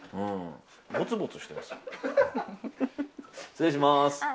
失礼します。